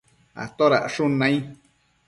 atodacshun nai?